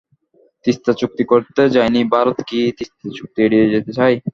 তিস্তা চুক্তি করতে যাইনি ভারত কি তিস্তা চুক্তি এড়িয়ে যেতে চায়?